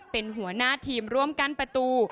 เป็นหัวหน้าทีมร่วมกันประตู